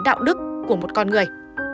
đạo đức của một con người